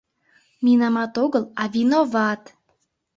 Минамат огыл, а виноват!